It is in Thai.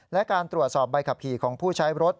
และการตรวจสอบใบขับขี่ของผู้ใช้รถ